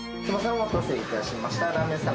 お待たせいたしました。